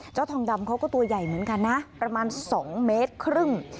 ทองดำเขาก็ตัวใหญ่เหมือนกันนะประมาณ๒เมตรครึ่ง